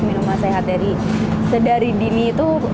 minuman sehat dari sedari dini itu